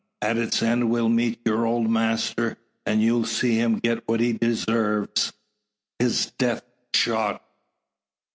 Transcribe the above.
At its end we'll meet your old master, and you'll see him get what he deserves his death shot!"